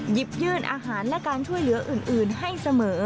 หยิบยื่นอาหารและการช่วยเหลืออื่นให้เสมอ